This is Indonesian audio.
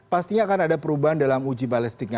pastinya akan ada perubahan dalam uji balistiknya